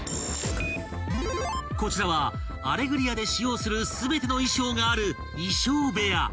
［こちらは『アレグリア』で使用する全ての衣装がある］